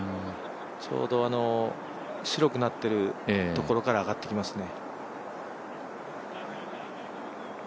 ちょうど白くなっているところから上がってきますよね。